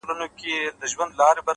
هوډ د شکونو پر وړاندې درېدنه ده,